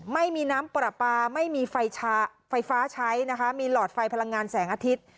ไม่มีน้ำปลาปลาไม่มีไฟฟ้าใช้นะคะมีหลอดไฟพลังงานแสงอาทิตย์